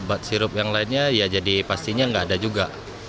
obat sirup yang lainnya ya jadi pastinya nggak ada juga